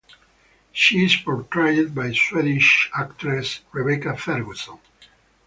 She is portrayed by Swedish actress Rebecca Ferguson.